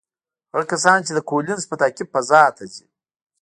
هغه کسان چې د کولینز په تعقیب فضا ته ځي،